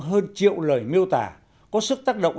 hơn triệu lời miêu tả có sức tác động